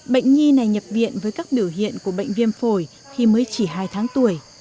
bệnh nhi này nhập viện với các biểu hiện của bệnh viêm phổi khi mới chỉ hai tháng tuổi